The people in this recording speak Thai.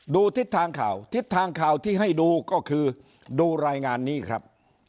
ทิศทางข่าวทิศทางข่าวที่ให้ดูก็คือดูรายงานนี้ครับ